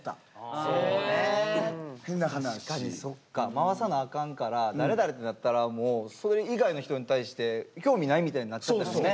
回さなアカンから誰々ってなったらもうそれ以外の人に対して興味ないみたいになっちゃったりもね。